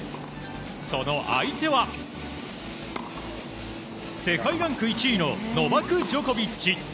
その相手は、世界ランク１位のノバク・ジョコビッチ。